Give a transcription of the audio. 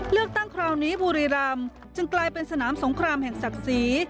คราวนี้บุรีรำจึงกลายเป็นสนามสงครามแห่งศักดิ์ศรี